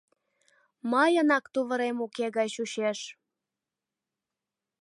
Мыйынак тувырем уке гай чучеш.